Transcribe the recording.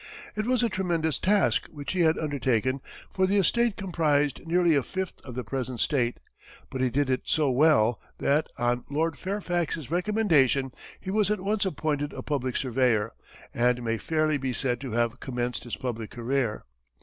It was a tremendous task which he had undertaken, for the estate comprised nearly a fifth of the present state, but he did it so well that, on Lord Fairfax's recommendation, he was at once appointed a public surveyor, and may fairly be said to have commenced his public career.